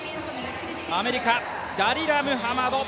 アメリカ、ダリラ・ムハマド。